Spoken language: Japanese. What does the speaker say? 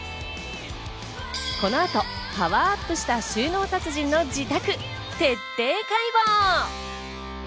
この後パワーアップした収納達人の自宅へ徹底解剖。